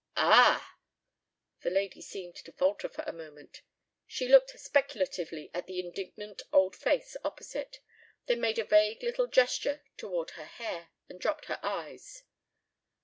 "Ah!" The lady seemed to falter for a moment. She looked speculatively at the indignant old face opposite, then made a vague little gesture toward her hair, and dropped her eyes.